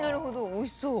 おいしそう。